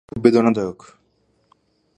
এটা খুবই বেদনাদায়ক।